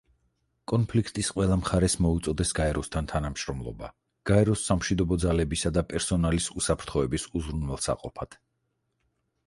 კონფლიქტის ყველა მხარეს მოუწოდეს გაეროსთან თანამშრომლობა, გაეროს სამშვიდობო ძალებისა და პერსონალის უსაფრთხოების უზრუნველსაყოფად.